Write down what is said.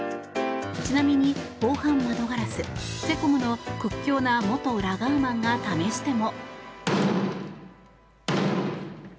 ちなみに防犯窓ガラスセコムの屈強な元ラガーマンが試しても。